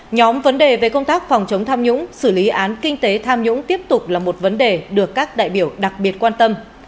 nhóm vấn đề về công tác phòng chống tham nhũng xử lý án kinh tế tham nhũng tiếp tục là một vấn đề được các đại biểu đặc biệt quan tâm